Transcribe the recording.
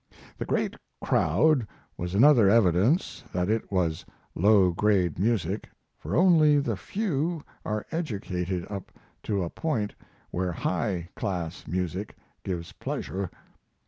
The great crowd was another evidence that it was low grade music, for only the few are educated up to a point where high class music gives pleasure.